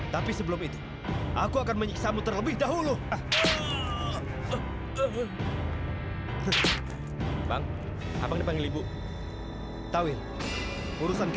terima kasih are super widwa dan storage